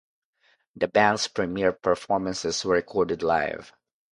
The band's premiere performances were recorded live.